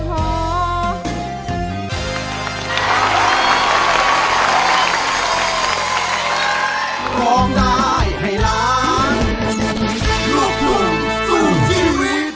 โปรดติดตามตอนต่อไป